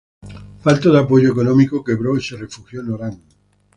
Falto de apoyo económico, quebró y se refugió en Orán.